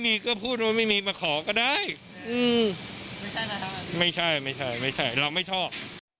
ไม่ใช่ไม่ใช่เราไม่ชอบ